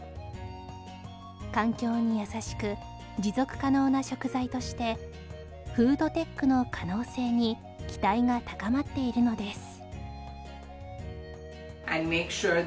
環境に優しく持続可能な食材としてフードテックの可能性に期待が高まっているのです